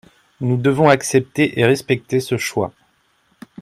Nous devons accepter et respecter ce choix.